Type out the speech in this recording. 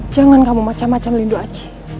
jangan kamu macam macam lindung aji